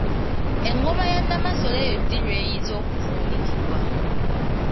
Engoma ya Namasole eyo ddi ly’eyinza okuvuunikibwa?